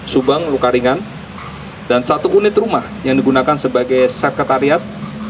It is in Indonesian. subang luka ringan dan satu unit rumah yang digunakan sebagai sekretariat